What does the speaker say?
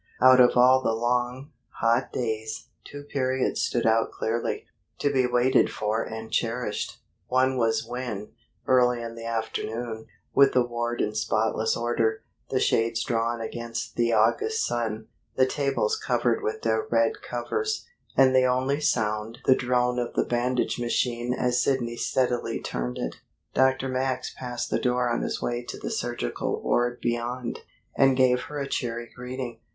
Out of all the long, hot days, two periods stood out clearly, to be waited for and cherished. One was when, early in the afternoon, with the ward in spotless order, the shades drawn against the August sun, the tables covered with their red covers, and the only sound the drone of the bandage machine as Sidney steadily turned it, Dr. Max passed the door on his way to the surgical ward beyond, and gave her a cheery greeting.